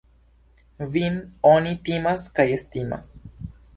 Vin oni timas kaj estimas.